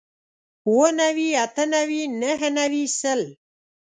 اووه نوي اتۀ نوي نهه نوي سل